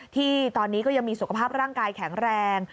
ที่ตอนนี้ก็ยังมีสุขภาพร่างกายแข็งแรง